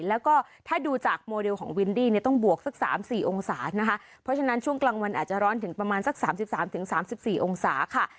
แล้วก็ถ้าดูจากโมเดลของวินดี้เนี่ยต้องบวกสักสามสี่องศานะคะเพราะฉะนั้นช่วงกลางวันอาจจะร้อนถึงประมาณสัก๓๓๔องศาค่ะ